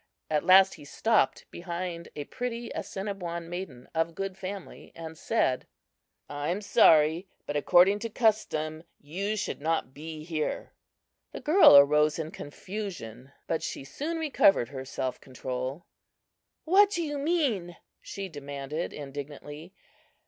At last he stopped behind a pretty Assiniboine maiden of good family and said: "I am sorry, but, according to custom, you should not be here." The girl arose in confusion, but she soon recovered her self control. "What do you mean?" she demanded, indignantly.